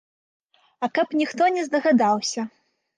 А каб ніхто не здагадаўся.